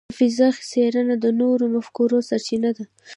د فضاء څېړنه د نوو مفکورو سرچینه ده.